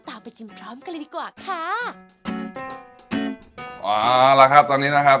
ตามไปชิมพร้อมกันเลยดีกว่าค่ะเอาละครับตอนนี้นะครับ